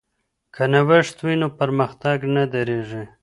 که نوښت وي نو پرمختګ نه ودریږي.